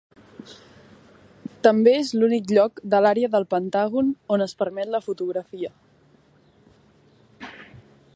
També és l'únic lloc de l'àrea del Pentàgon on es permet la fotografia.